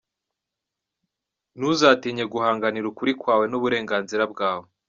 Ntuzatinye guhanganira ukuri kwawe n’uburenganzira bwawe.